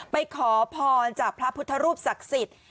ไปขอพรจากพระพุทธรูปศักดิ์สิทธิ์